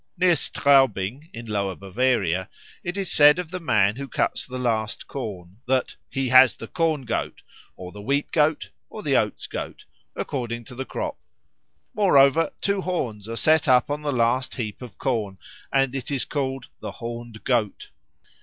Near Straubing, in Lower Bavaria, it is said of the man who cuts the last corn that "he has the Corn goat, or the Wheat goat, or the Oats goat," according to the crop. Moreover, two horns are set up on the last heap of corn, and it is called "the horned Goat."